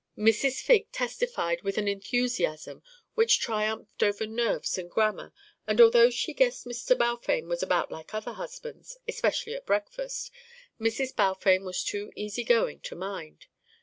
Mrs. Figg testified with an enthusiasm which triumphed over nerves and grammar that although she guessed Mr. Balfame was about like other husbands, especially at breakfast, Mrs. Balfame was too easy going to mind.